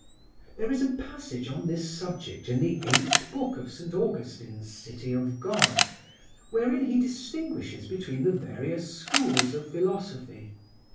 There is a passage on this subject in the eighth book of St. Augustine's "City of God," wherein he distinguishes between the various schools of philosophy.